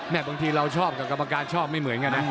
บางทีเราชอบกับกรรมการชอบไม่เหมือนกันนะ